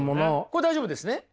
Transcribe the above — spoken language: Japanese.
これ大丈夫ですね？